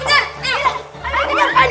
ini kita lihat